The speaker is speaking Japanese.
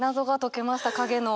影の。